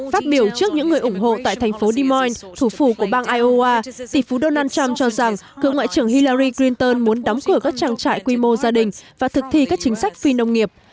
phát biểu trước những người ủng hộ tại thành phố demoon thủ phủ của bang iowa tỷ phú donald trump cho rằng cựu ngoại trưởng hillari crinton muốn đóng cửa các trang trại quy mô gia đình và thực thi các chính sách phi nông nghiệp